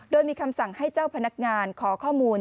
โดยมีคำสั่งให้เจ้าพนักงานขอข้อมูล